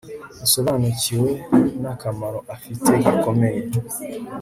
usobanukiwe nakamaro afite gakomeye